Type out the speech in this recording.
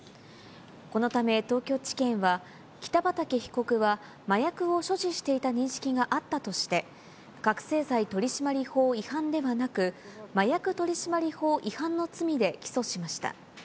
このため東京地検は、北畠被告は麻薬を所持していた認識があったとして、覚醒剤取締法違反ではなく、麻薬取締法違反の罪で起訴しました。